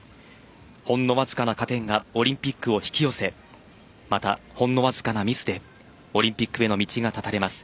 ほんのわずかな加点がオリンピックを引き寄せまた、ほんのわずかなミスでオリンピックへの道が断たれます。